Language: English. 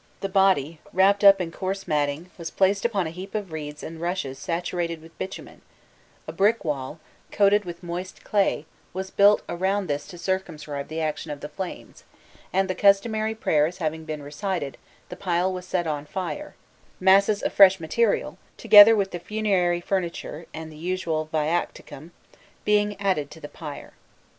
The body, wrapped up in coarse matting, was placed upon a heap of reeds and rushes saturated with bitumen: a brick wall, coated with moist clay, was built around this to circumscribe the action of the flames, and, the customary prayers having been recited, the pile was set on fire, masses of fresh material, together with the funerary furniture and usual viaticum, being added to the pyre.